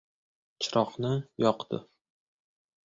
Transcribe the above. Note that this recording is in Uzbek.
Chiroqni yoqdi.